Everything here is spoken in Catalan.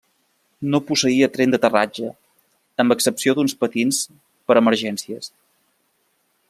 No posseïa tren d'aterratge, amb excepció d'uns patins per a emergències.